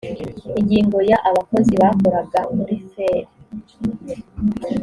ingingo ya abakozi bakoraga muri fer